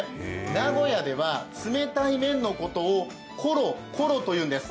名古屋では冷たい麺のことをころというんです。